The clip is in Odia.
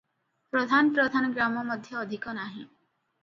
ପ୍ରଧାନ ପ୍ରଧାନ ଗ୍ରାମ ମଧ୍ୟ ଅଧିକ ନାହିଁ ।